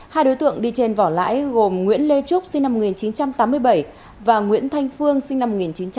hai đối tượng đi trên vỏ lãi gồm nguyễn lê trúc sinh năm một nghìn chín trăm tám mươi bảy và nguyễn thanh phương sinh năm một nghìn chín trăm tám mươi